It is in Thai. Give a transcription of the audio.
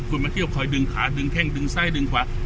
คุณมาคี่เอาคอยดึงขาดึงแข่งดึงใส่ดึงดึงขวา